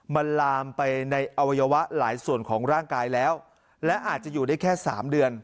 มันลามไปในอวัยวะหลายส่วนของร่างกายแล้วและอาจจะอยู่ได้แค่สามเดือน